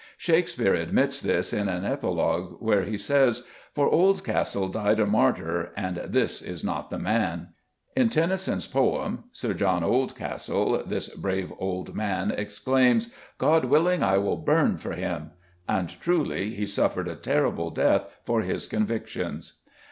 Shakespeare admits this in an epilogue where he says, "For Oldcastle died a martyr and this is not the man." In Tennyson's poem, Sir John Oldcastle, this brave old man exclaims, "God willing, I will burn for Him," and, truly, he suffered a terrible death for his convictions.